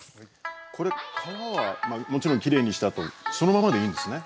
これ皮はもちろんきれいにしたあとそのままでいいんですね。